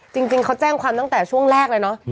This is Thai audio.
จริงเขาแจ้งความตั้งแต่ช่วงแรกเลยเนอะ